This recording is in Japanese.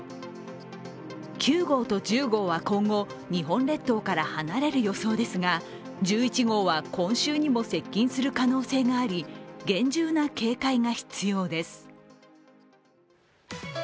９号と１０号は今後、日本列島から離れる予想ですが１１号は今週にも接近する可能性があり、厳重な警戒が必要です。